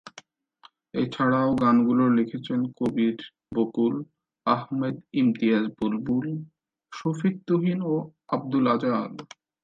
এছাড়াও গানগুলো লিখেছেন কবির বকুল, আহমেদ ইমতিয়াজ বুলবুল, শফিক তুহিন ও আব্দুল আজিজ।